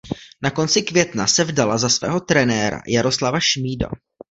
Na konci května se vdala za svého trenéra Jaroslava Šmída.